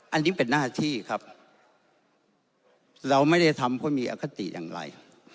อันนี้เป็นหน้าที่ครับเราไม่ได้ทำเพราะมีอคติอย่างไร